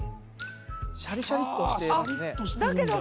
シャリシャリっとしてますね。